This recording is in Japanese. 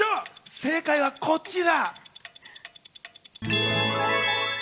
正解はこちら。